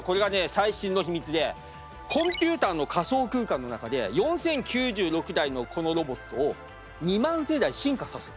最新の秘密でコンピューターの仮想空間の中で４，０９６台のこのロボットを２万世代進化させる。